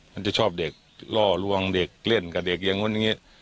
มันจะชอบเด็กล่อลวงเด็กเล่นกับเด็กอย่างนู้นอย่างนี้